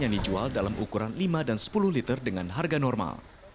yang dijual dalam ukuran lima dan sepuluh liter dengan harga normal